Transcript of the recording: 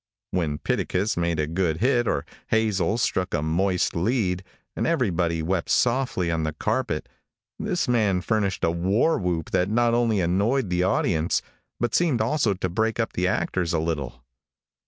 When Pitticus made a good hit, or Hazel struck a moist lead, and everybody wept softly on the carpet, this man furnished a war whoop that not only annoyed the audience, but seemed also to break up the actors a little.